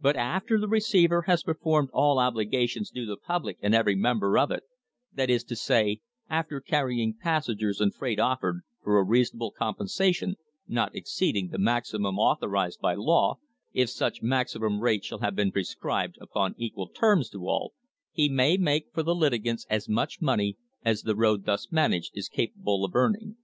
But after the receiver has performed all obligations due the public and every member of it that is to say, after carrying passengers and freight offered, for a reasonable compensation not exceeding the maximum author ised by law, if such maximum rates shall have been prescribed, upon equal terms to all, he may make for the litigants as much money as the road thus managed is capable of earning.